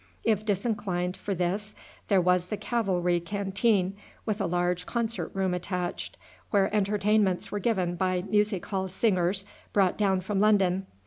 If disinclined for this there was the cavalry canteen, with a large concert room attached, where entertainments were given by music hall singers brought down from London.